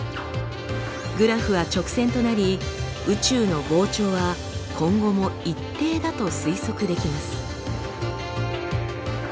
グラフは直線となり宇宙の膨張は今後も一定だと推測できます。